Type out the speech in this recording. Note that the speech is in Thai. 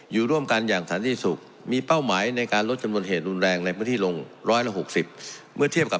อยู่ร่วมกันอย่างสร้างที่สุข